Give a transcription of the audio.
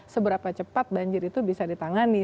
seberapa cepat banjir itu akan terjadi